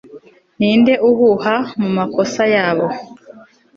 ninde uhuha mu makosa yabo